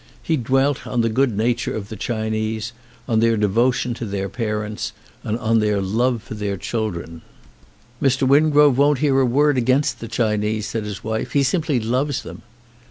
He dwelt on the good nature of the Chinese, on their devotion to their parents and on their love for their children. 51 ON A CHINESE SCREEN "Mr. Wingrove won't hear a word against the 'Chinese," said his wife, "he simply loves them."